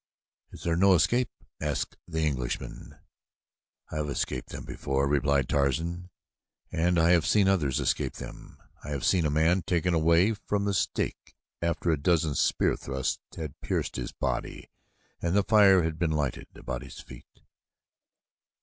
"Is there no escape?" asked the Englishman. "I have escaped them before," replied Tarzan, "and I have seen others escape them. I have seen a man taken away from the stake after a dozen spear thrusts had pierced his body and the fire had been lighted about his feet."